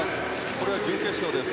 これは準決勝です。